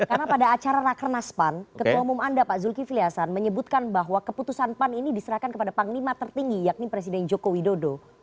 karena pada acara rakernas pan ketua umum anda pak zulkifili hasan menyebutkan bahwa keputusan pan ini diserahkan kepada panglima tertinggi yakni presiden joko widodo